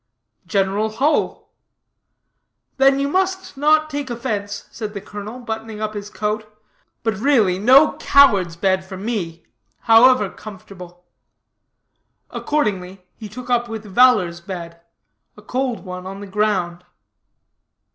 "General Hull." "Then you must not take offense," said the colonel, buttoning up his coat, "but, really, no coward's bed, for me, however comfortable." Accordingly he took up with valor's bed a cold one on the ground.